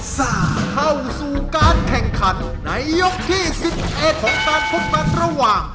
เข้าสู่การแข่งขันในยกที่๑๑ของการพบกันระหว่าง